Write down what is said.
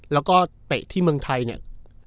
แล้วก็เตะที่เมืองไทยเนี่ย